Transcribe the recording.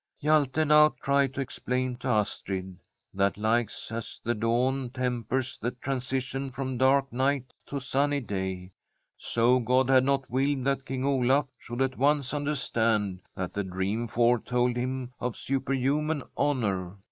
Hjalte now tried to explain to Astrid that like as the dawn tempers the transition from dark night to sunny day, so God had not willed that King Olaf should at once understand that the dream foretold him of superhuman honour.